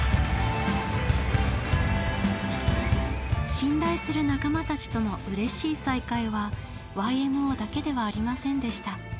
信頼する仲間たちとのうれしい再会はＹＭＯだけではありませんでした。